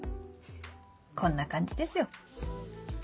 こんな感じですよ。